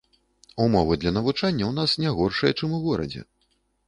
Умовы для навучання ў нас не горшыя, чым у горадзе.